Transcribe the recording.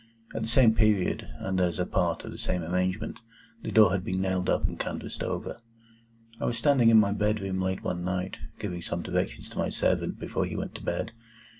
At the same period, and as a part of the same arrangement,—the door had been nailed up and canvased over. I was standing in my bedroom late one night, giving some directions to my servant before he went to bed.